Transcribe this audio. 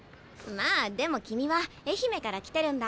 まあでも君は愛媛から来てるんだ。